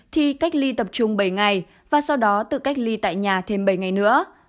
thì cách ly tập trung bảy ngày và sau đó tự cách ly tại nhà thêm bảy ngày nữa